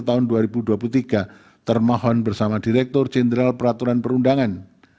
termohon bersama direktur jenderal peraturan perundangan